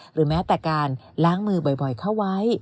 หรือแม้แต่การล้างมือบ่อยเข้าไว้